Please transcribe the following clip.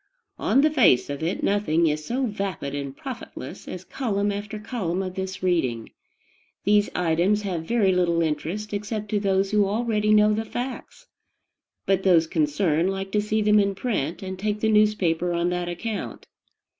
On the face of it nothing is so vapid and profitless as column after column of this reading. These "items" have very little interest, except to those who already know the facts; but those concerned like to see them in print, and take the newspaper on that account.